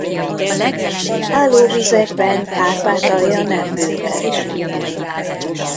Állóvizekben Kárpátalja nem bővelkedik.